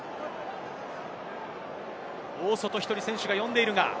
大外１人、選手が呼んでいる。